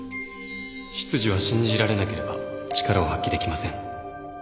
執事は信じられなければ力を発揮できません